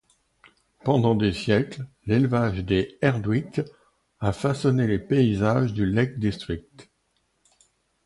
Pendant des siècles, l'élevage des herdwicks a façonné les paysages du Lake District.